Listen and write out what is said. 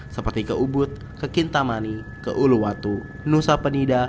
seperti ke ubud ke kintamani ke uluwatu nusa penida